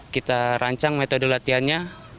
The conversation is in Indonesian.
kita rancang metode latihannya